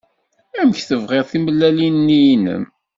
Amek tebɣiḍ timellalin-nni-inem?